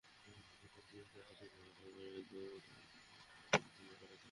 আটক বাইজিদ হাসান বলে, ঝামেলা এড়াতে তানভিরকে প্রথমেই খুন করার পরিকল্পনা করে তারা।